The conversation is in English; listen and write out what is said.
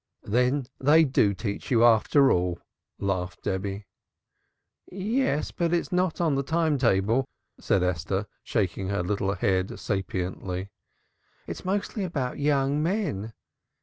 "Then they do teach you after all," laughed Debby. "Yes, but it's not on the Time Table," said Esther, shaking her little head sapiently. "It's mostly about young men.